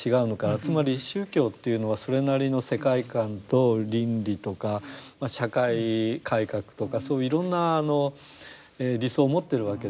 つまり宗教というのはそれなりの世界観と倫理とか社会改革とかそういういろんな理想を持ってるわけですよね。